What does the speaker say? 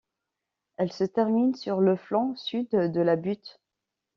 Elle se termine sur le flanc sud de la butte.